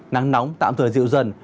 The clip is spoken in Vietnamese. nắng nóng tạm thời dịu dần